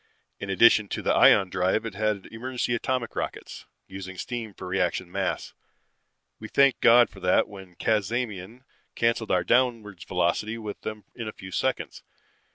In addition to the ion drive it had emergency atomic rockets, using steam for reaction mass. We thanked God for that when Cazamian canceled our downwards velocity with them in a few seconds.